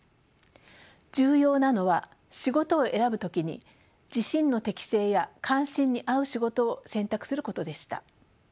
重要なのは仕事を選ぶ時に自身の適性や関心に合う仕事を選択することでした。